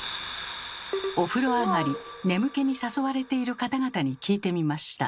お風呂上がり眠気に誘われている方々に聞いてみました。